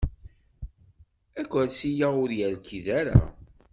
Akersi-a ur yerkid ara.